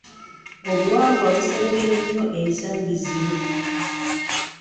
Obuwangwa buserebye nnyo ensangi zino.